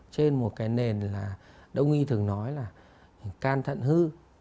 trên một cái nền là đông y thường nói là can thận hư